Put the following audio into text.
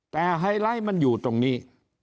แต่ไฮไลท์มันอยู่ตรงนี้